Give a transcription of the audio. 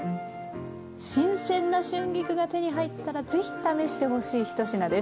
新鮮な春菊が手に入ったら是非試してほしい１品です。